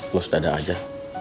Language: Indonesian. lo sedadak aja